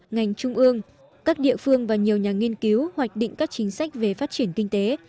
ngành trung ương các địa phương và nhiều nhà nghiên cứu hoạch định các chính sách về phát triển kinh tế